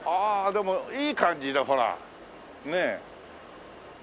でもいい感じだほらねえ。